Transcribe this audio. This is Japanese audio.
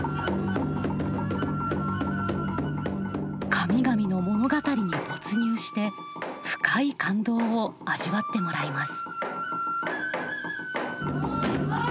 神々の物語に没入して深い感動を味わってもらいます。